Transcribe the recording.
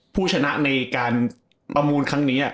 ผู้ชนะในการประมูลครั้งนี้